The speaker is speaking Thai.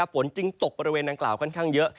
ฝนจึงตกบริเวณดังกล่าวค่อนข้างเยอะ